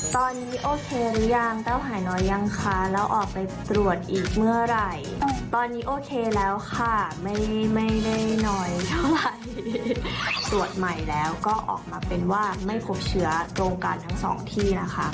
สวดใหม่แล้วก็ออกมาเป็นว่าไม่พบเชื้อโรงการทั้ง๒ที่นะคะ